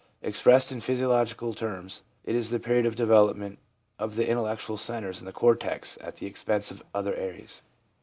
Expressed in physiological terms, it is the period of development of the intellectual centres in the cortex at the expense of other areas.